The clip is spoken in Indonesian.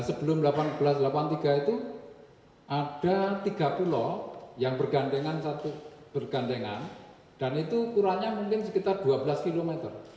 sebelum seribu delapan ratus delapan puluh tiga itu ada tiga pulau yang bergandengan satu bergandengan dan itu ukurannya mungkin sekitar dua belas km